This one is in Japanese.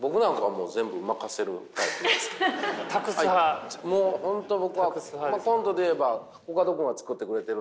もう本当僕はコントで言えばコカド君が作ってくれてるんで全部。